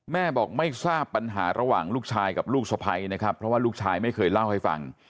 แม่บอกไม่ทราบปัญหาระหว่างลูกชายกับลูกสะพัยนะครับเพราะว่าลูกชายไม่เคยเล่าให้ฟัง